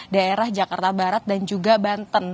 daerah jakarta barat dan juga banten